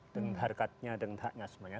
dengan harganya dan haknya